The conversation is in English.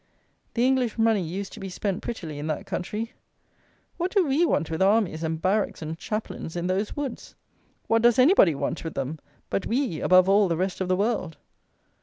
The English money used to be spent prettily in that country. What do we want with armies and barracks and chaplains in those woods? What does anybody want with them; but we, above all the rest of the world?